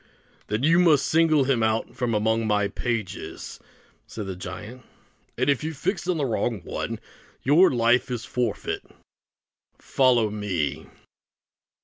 "Then you must single him out from among my pages," said the giant; "and if you fix on the wrong one, your life is the forfeit. Follow me."